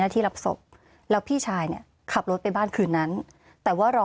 ที่รับศพแล้วพี่ชายเนี่ยขับรถไปบ้านคืนนั้นแต่ว่ารอ